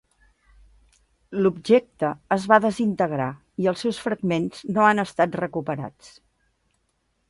L'objecte es va desintegrar i els seus fragments no han estat recuperats.